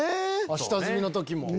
あっ下積みの時も。